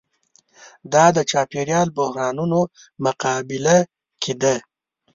دا د چاپېریال بحرانونو مقابله کې ده.